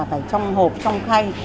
phải trong hộp trong khay